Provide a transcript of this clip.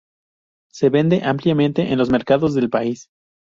Se vende ampliamente en los mercados del país.